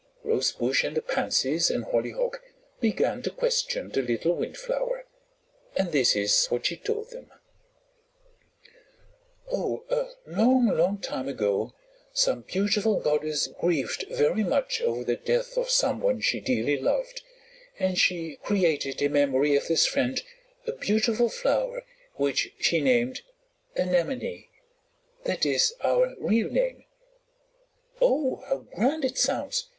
Rosebush and the Pansies and Hollyhock began to question the little Windflower, and this is what she told them: "Oh, a long, long time ago some beautiful goddess grieved very much over the death of some one she dearly loved, and she created in memory of this friend a beautiful flower which she named Anemone. That is our real name." "Oh, how grand is sounds!"